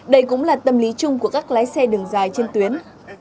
đây cũng là tâm lý chung của các lái xe đường dài trên tuyến